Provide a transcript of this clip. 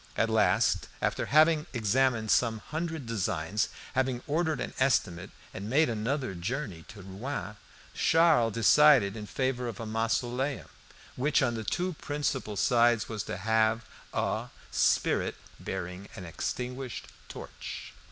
At last, after having examined some hundred designs, having ordered an estimate and made another journey to Rouen, Charles decided in favour of a mausoleum, which on the two principal sides was to have a "spirit bearing an extinguished torch."